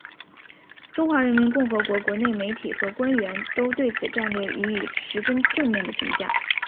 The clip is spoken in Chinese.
中华人民共和国国内媒体和官员都对此战略予以十分正面的评价。